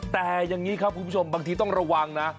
แต่อย่างนี้ครับคุณผู้ชมบางทีต้องระวังนะ